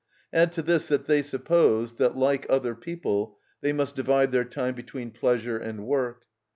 Add to this that they suppose that, like other people, they must divide their time between pleasure and work.